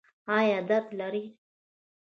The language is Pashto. ایا درد لرئ؟